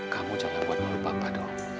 kamu jangan buat malu papa dong